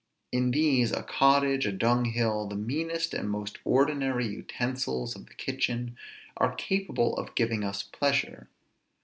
In these a cottage, a dung hill, the meanest and most ordinary utensils of the kitchen, are capable of giving us pleasure.